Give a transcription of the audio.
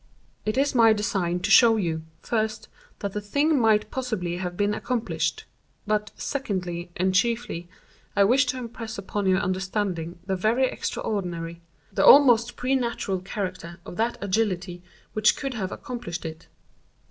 It is my design to show you, first, that the thing might possibly have been accomplished:—but, secondly and chiefly, I wish to impress upon your understanding the very extraordinary—the almost præternatural character of that agility which could have accomplished it.